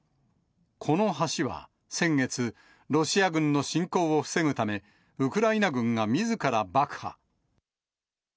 この橋は、先月、ロシア軍の侵攻を防ぐため、ウクライナ軍がみずから爆破。